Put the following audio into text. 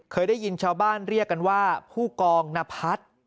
เคยได้ยินชาวบ้านเรียกกันว่าผู้กองนพัฒน์